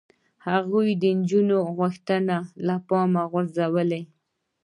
هغوی د نجونو غوښتنې له پامه غورځولې.